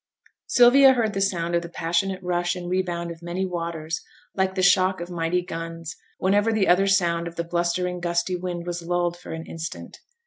Sylvia heard the sound of the passionate rush and rebound of many waters, like the shock of mighty guns, whenever the other sound of the blustering gusty wind was lulled for an instant.